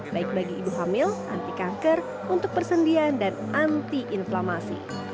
baik bagi ibu hamil anti kanker untuk persendian dan anti inflamasi